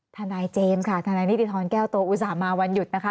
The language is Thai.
ทนายเจมส์ค่ะทนายนิติธรแก้วโตอุตส่าห์มาวันหยุดนะคะ